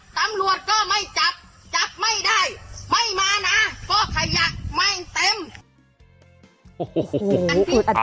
ตำรวจก็ไม่จับจับไม่ได้ไม่มานะก็ขยะไม่เต็มโอ้โห